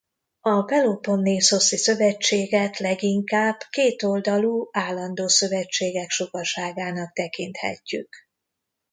A Peloponnészoszi Szövetséget leginkább kétoldalú állandó szövetségek sokaságának tekinthetjük.